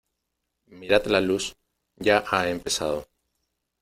mirad la luz, ya ha empezado.